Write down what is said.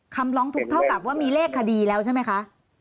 คำร้องทุกข์เท่ากับว่ามีเลขคดีแล้วใช่ไหมคะ